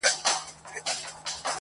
ښکاري و ویشتی هغه موږک یارانو,